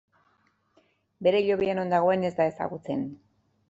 Bere hilobia non dagoen ez da ezagutzen.